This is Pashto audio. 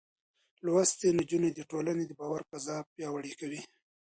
لوستې نجونې د ټولنې د باور فضا پياوړې کوي.